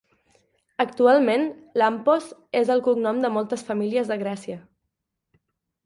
Actualment, Lampos és el cognom de moltes famílies de Grècia.